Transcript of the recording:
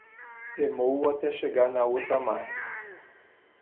Remou até chegar na outra margem